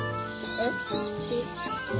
えっ。